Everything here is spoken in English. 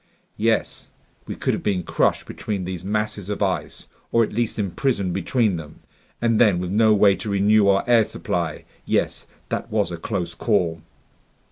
"Yes. We could have been crushed between these masses of ice, or at least imprisoned between them. And then, with no way to renew our air supply. ... Yes, that was a close call!"